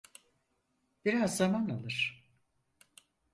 Biraz zaman alır.